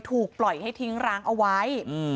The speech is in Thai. ถูกปล่อยให้ทิ้งร้างเอาไว้